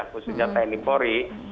khususnya tni pori